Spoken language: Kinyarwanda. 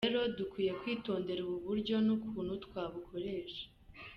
"Rero dukwiye kwitondera ubu buryo n'ukuntu twabukoresha".